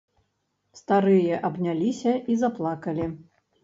Старыя абняліся і заплакалі.